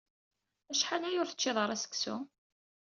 Acḥal aya ur teččiḍ ara seksu?